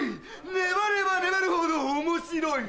粘れば粘るほど面白い。